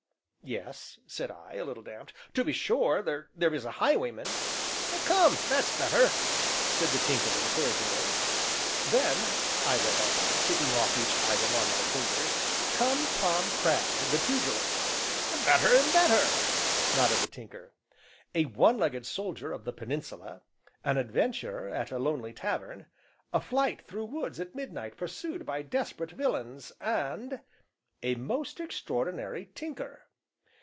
"Yes," said I, a little damped, "to be sure there is a highwayman " "Come, that's better!" said the Tinker encouragingly. "Then," I went on, ticking off each item on my fingers, "come Tom Cragg, the pugilist " "Better and better!" nodded the Tinker. " a one legged soldier of the Peninsula, an adventure at a lonely tavern, a flight through woods at midnight pursued by desperate villains, and a most extraordinary tinker.